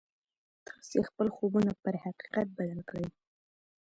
تاسې خپل خوبونه پر حقيقت بدل کړئ.